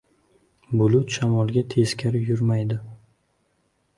• Bulut shamolga teskari yurmaydi.